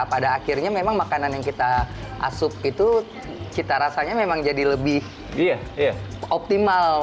pada akhirnya memang makanan yang kita asup itu cita rasanya memang jadi lebih optimal